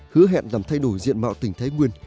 hứa hẹn làm thay đổi diện mạo tỉnh thái nguyên